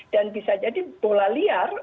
dan bisa jadi bola liar